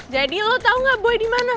jadi lo tau gak boy dimana